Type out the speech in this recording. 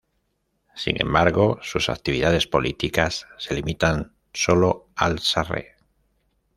Sin embargo, sus actividades políticas se limitan solo al Sarre.